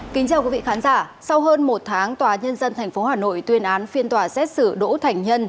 kính chào quý vị khán giả sau hơn một tháng tòa nhân dân tp hà nội tuyên án phiên tòa xét xử đỗ thành nhân